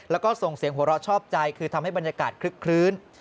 แล้วก็ส่งเสียงหัวเราะชอบใจคือทำให้บรรยากาศคลึกคลื้น